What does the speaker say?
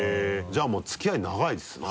じゃあもう付き合い長いですな？